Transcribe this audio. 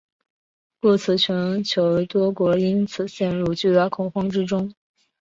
故此全球多国因此陷入巨大恐慌之中。